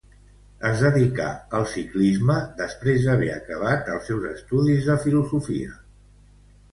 Es dedicà al ciclisme després d'haver acabat els seus estudis de filosofia.